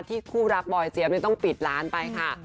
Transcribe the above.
ที่คู่รักบ่อยเจี๊ยบเนี่ยต้องปิดร้านไปค่ะ